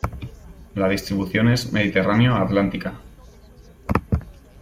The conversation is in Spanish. La distribución es Mediterráneo-atlántica.